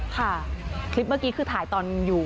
คาคลิปเมื่อกี้ถ่ายตอน